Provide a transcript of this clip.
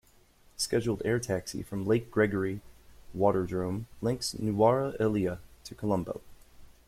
Scheduled air taxi from Lake Gregory Waterdrome links Nuwara Eliya to Colombo.